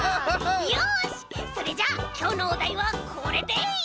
よしそれじゃきょうのおだいはこれでい！